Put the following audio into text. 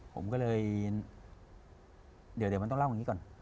ผมก็เลยเดี๋ยวมันต้องเล่าอย่างนี้ก่อน